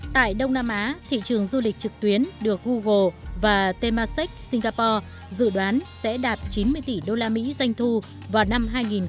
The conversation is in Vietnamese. tại đông nam á thị trường du lịch trực tuyến được google và temasek singapore dự đoán sẽ đạt chín mươi tỷ usd doanh thu vào năm hai nghìn hai mươi